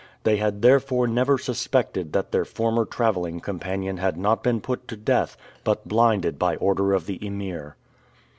They had therefore never suspected that their former traveling companion had not been put to death, but blinded by order of the Emir.